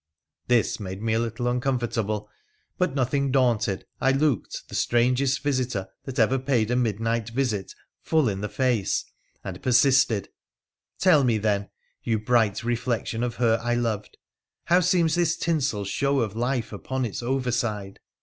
' This made me a little uncomfortable, but, nothing daunted, I looked the strangest visitor that ever paid a midnight visit full in the face, and persisted, ' Tell me, then, you bright reflection of her I loved, how seems this tinsel show of life upon its over side